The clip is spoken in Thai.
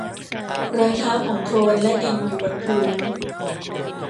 รอยเท้าของโคลนและดินอยู่บนพื้น